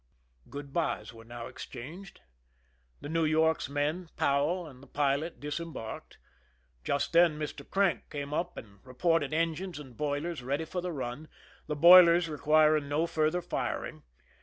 Grood bys were now exchanged. The Netv York'^s men, Powell, and the pilot disembarked. Just then Mr. Crank came up and reported engines and boilers ready for the run, the boilers requiring no further firing.